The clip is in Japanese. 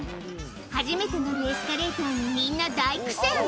初めて乗るエスカレーターにみんな大苦戦。